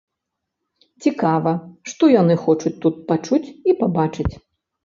Цікава, што яны хочуць тут пачуць і пабачыць?